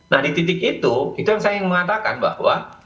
nah di titik itu itu yang saya ingin mengatakan bahwa